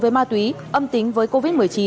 với ma túy âm tính với covid một mươi chín